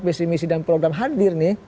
pesimisi dan program hadir nih